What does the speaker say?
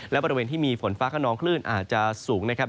และบริเวณที่มีฝนฟ้าขนองคลื่นอาจจะสูงนะครับ